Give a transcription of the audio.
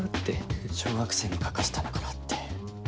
小学生に描かせたのかなって。